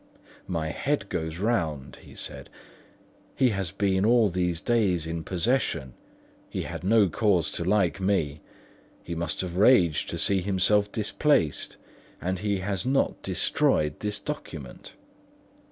"My head goes round," he said. "He has been all these days in possession; he had no cause to like me; he must have raged to see himself displaced; and he has not destroyed this document."